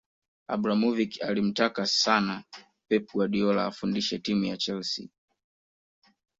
Abramovic alimtaka sana Pep Guardiola afundishe timu ya chelsea